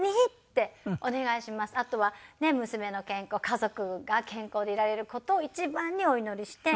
あとは娘の健康家族が健康でいられる事を一番にお祈りして。